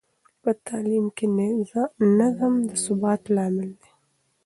په تعلیم کې نظم د ثبات علامت دی.